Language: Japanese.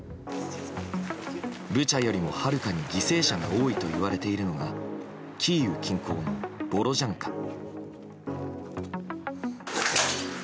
ブチャよりも、はるかに犠牲者が多いといわれているのがキーウ近郊のボロジャンカ。